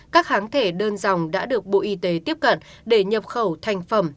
các kháng thể đơn dòng đã được bộ y tế tiếp cận để nhập khẩu thành phẩm